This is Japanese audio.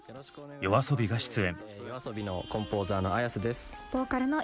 ＹＯＡＳＯＢＩが出演。